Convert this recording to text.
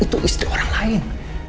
itu istri orang lain